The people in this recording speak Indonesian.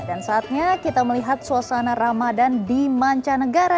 dan saatnya kita melihat suasana ramadan di mancanegara